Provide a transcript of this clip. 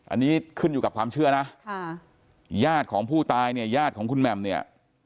อันนี้ขึ้นอยู่กับความเชื่อนะค่ะญาติของผู้ตายเนี่ยญาติของคุณแหม่มเนี่ย